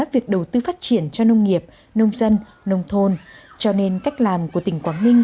việc đầu tư phát triển cho nông nghiệp nông dân nông thôn cho nên cách làm của tỉnh quảng ninh